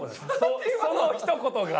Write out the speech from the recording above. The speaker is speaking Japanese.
そのひと言が。